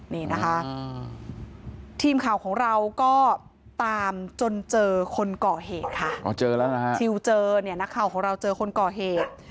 นี่นะคะทีมข่าวของเราก็ตามจนเจอคนก่อเหตุค่ะอ๋อเจอแล้วนะฮะชิวเจอเนี่ยนักข่าวของเราเจอคนก่อเหตุ